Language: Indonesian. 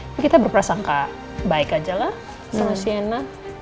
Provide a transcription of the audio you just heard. tapi kita berprasangka baik aja lah sama sienna